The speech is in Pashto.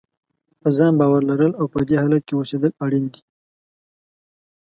په ځان باور لرل او په دې حالت کې اوسېدل اړین دي.